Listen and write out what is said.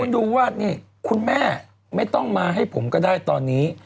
ดูว่านี่คุณแม่ไม่ต้องมาให้ผมก็ได้ตอนนี้